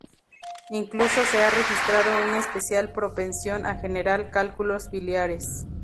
Incluso se ha registrado una especial propensión a generar cálculos biliares.